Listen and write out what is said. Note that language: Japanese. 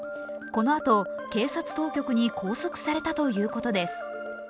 このあと、警察当局に拘束されたということです。